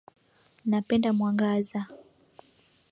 Napenda mwangaza